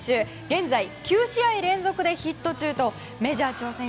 現在９試合連続でヒット中とメジャー挑戦